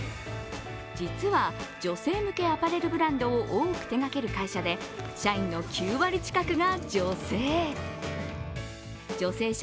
実は女性向けアパレルブランドを多く手がける会社で、社員の９割近くが女性。